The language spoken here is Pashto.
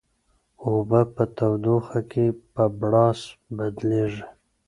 اوبه په تودوخه کې په بړاس بدلیږي.